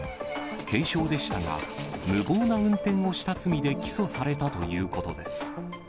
軽傷でしたが、無謀な運転をした罪で起訴されたということです。